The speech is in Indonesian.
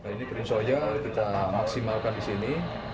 ini gedung soya kita maksimalkan di sini